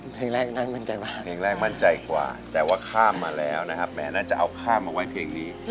เพลงแรกน่ามั่นใจมากเพลงแรกมั่นใจกว่าแต่ว่าข้ามมาแล้วนะครับแหมน่าจะเอาข้ามมาไว้เพลงนี้